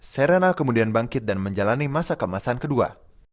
serena kemudian bangkit dan menjalani masa kemasan kedua